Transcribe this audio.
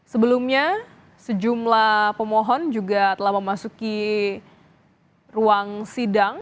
sebelumnya sejumlah pemohon juga telah memasuki ruang sidang